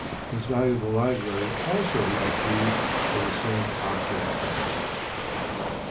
His valuable library, also, he bequeathed for the same object.